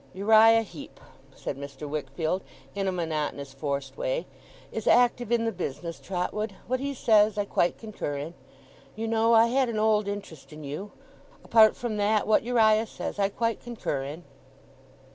'Uriah Heep,' said Mr. Wickfield, in a monotonous forced way, 'is active in the business, Trotwood. What he says, I quite concur in. You know I had an old interest in you. Apart from that, what Uriah says I quite concur in!